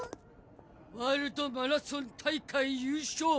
ワールドマラソン大会優勝。